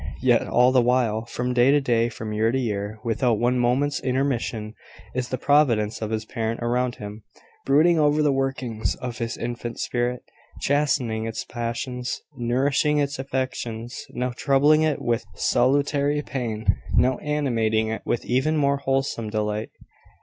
Yet, all the while, from day to day, from year to year, without one moment's intermission, is the providence of his parent around him, brooding over the workings of his infant spirit, chastening its passions, nourishing its affections, now troubling it with salutary pain, now animating it with even more wholesome delight.